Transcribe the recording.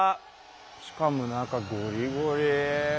しかも中ゴリゴリ。